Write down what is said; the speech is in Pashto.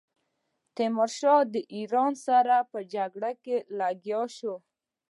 تیمورشاه د ایران سره په جګړه لګیا شو.